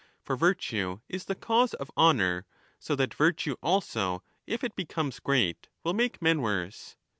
For virtue is the cause of honour, so that virtue also, if it becomes great, will make men worse.